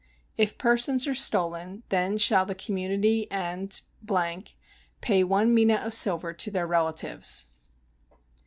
If persons are stolen, then shall the community and ... pay one mina of silver to their relatives.